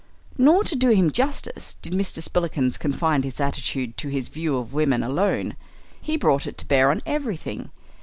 Nor, to do him justice, did Mr. Spillikins confine his attitude to his view of women alone. He brought it to bear on everything.